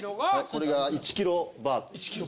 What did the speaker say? これが１ｋｇバー。